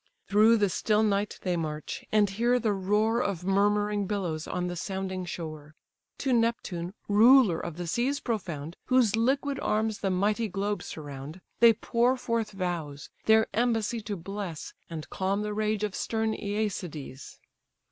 Through the still night they march, and hear the roar Of murmuring billows on the sounding shore. To Neptune, ruler of the seas profound, Whose liquid arms the mighty globe surround, They pour forth vows, their embassy to bless, And calm the rage of stern Æacides.